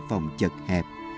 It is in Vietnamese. giang phòng chật hẹp